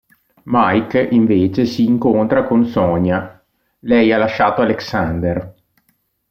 Mike invece si incontra con Sonja; lei ha lasciato Alexander.